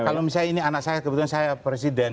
kalau misalnya ini anak saya kebetulan saya presiden